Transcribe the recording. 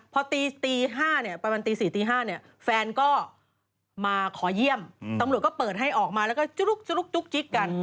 พอประมาณตี๔๕แฟนก็มาขอเยี่ยมตำรวจก็เปิดให้ออกมาแล้วก็จุ๊กกัน